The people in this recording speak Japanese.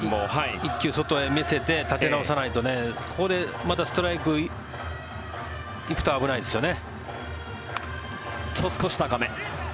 １球、外へ見せて立て直さないとここでまたストライクに行くと危ないですよね。